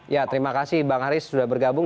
ya terima kasih bang haris sudah bergabung